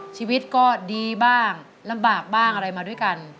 ชีวิตก็ดีบ้างลำบากบ้างอะไรมาด้วยกัน